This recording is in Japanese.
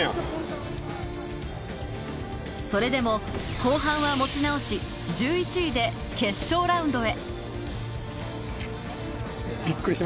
それでも後半は持ち直し、１１位で決勝ラウンドへ。